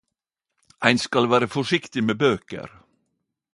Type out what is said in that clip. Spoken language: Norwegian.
Ein skal vere forsiktig med bøker.